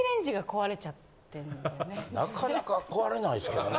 なかなか壊れないですけどね。